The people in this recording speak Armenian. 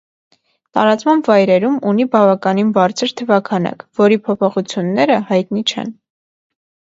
Տարածման վայրերում ունի բավականին բարձր թվաքանակ, որի փոփոխությունները հայտնի չեն։